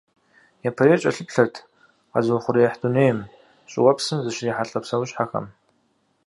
Япэрейр кӀэлъыплъырт къэзыухъуреихь дунейм, щӀыуэпсым зыщрихьэлӀэ псэущхьэхэм.